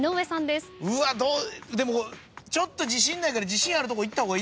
でもちょっと自信ないから自信あるとこいった方がいいですよね？